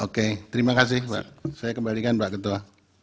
oke terima kasih pak saya kembalikan pak ketua